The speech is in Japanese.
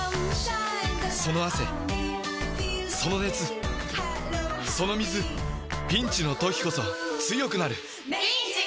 その汗その熱その水ピンチの時こそ強くなる！